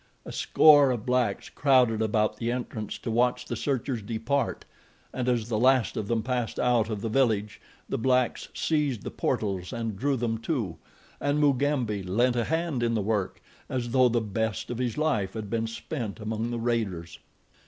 A score of blacks crowded about the entrance to watch the searchers depart, and as the last of them passed out of the village the blacks seized the portals and drew them to, and Mugambi lent a hand in the work as though the best of his life had been spent among the raiders.